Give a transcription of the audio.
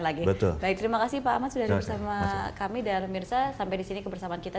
lagi betul baik terima kasih pak amat sudah bersama kami dan mirza sampai di sini kebersamaan kita